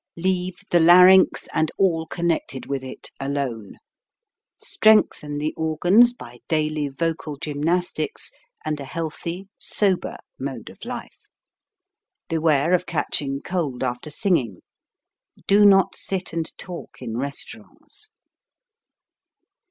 Leave the larynx and all con nected with it alone; strengthen the organs by daily vocal gymnastics and a healthy, sober mode of life; beware of catching cold after singing; do not sit and talk in restau rants.